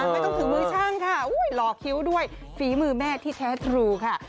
ไม่ต้องถึงมือช่างค่ะหลอกคิ้วด้วยฝีมือแม่ที่แท้ทรูค่ะ